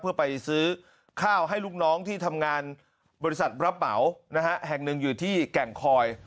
เพื่อไปซื้อข้าวให้ลูกน้องที่ทำงานบริษัทรับเหมานะฮะแห่งหนึ่งอยู่ที่แก่งคอย